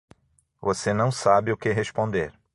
Você não sabe o que responder.